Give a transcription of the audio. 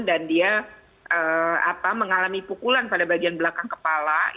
dan dia mengalami pukulan pada bagian belakang kepala